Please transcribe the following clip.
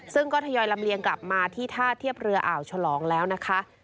ซึ่งก็ทยอยลำเลียงกลับมาที่ท่าเทียบเรืออ่าวฉลองแล้วนะคะ